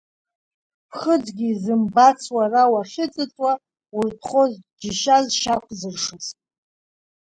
Ԥхыӡгьы изымбац уара уахьыҵыҵуа, уртәхоз џьыша зшьақәзыршыз.